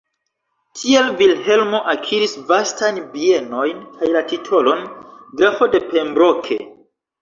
Tiel Vilhelmo akiris vastajn bienojn kaj la titolon "grafo de Pembroke".